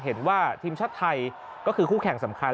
เห็นว่าทีมชาติไทยก็คือคู่แข่งสำคัญ